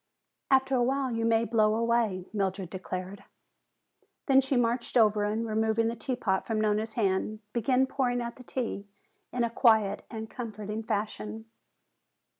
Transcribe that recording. After a while you may blow away," Mildred declared. Then she marched over and, removing the teapot from Nona's hand, began pouring out the tea in a quiet and comforting fashion.